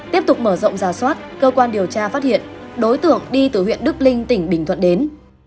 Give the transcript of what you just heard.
tiếp tục mở rộng giả soát cơ quan điều tra phát hiện đối tượng đi từ huyện đức linh tỉnh bình thuận đến